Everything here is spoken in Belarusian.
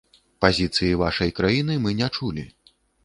Пазіцыі вашай краіны мы не чулі.